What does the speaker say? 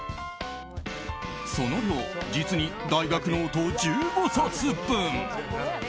その量、実に大学ノート１５冊分。